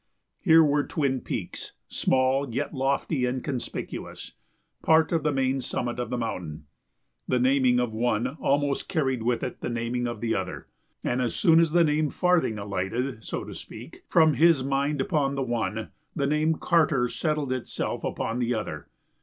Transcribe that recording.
Here were twin peaks, small, yet lofty and conspicuous part of the main summit of the mountain. The naming of one almost carried with it the naming of the other; and as soon as the name Farthing alighted, so to speak, from his mind upon the one, the name Carter settled itself upon the other.